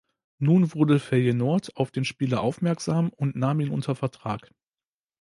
Nun wurde Feijenoord auf den Spieler aufmerksam und nahm ihn unter Vertrag.